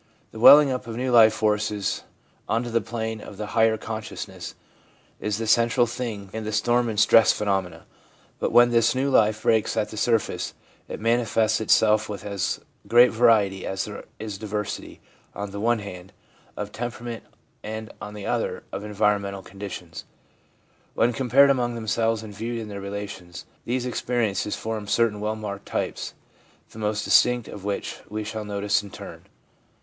The welling up of new life forces on to the plane of the higher consciousness is the central thing in the storm and stress phenomena ; but when this new life breaks at the surface, it manifests itself with as great variety as there is diversity, on the one hand, of tem perament, and, on the other, of environmental conditions. When compared among themselves and viewed in their relations, these experiences form certain well marked types, the most distinct of which we shall notice in turn.